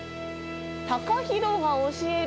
タカヒロが教える！